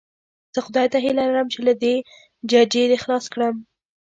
زه خدای ته هیله لرم چې له دې ججې دې خلاص کړم.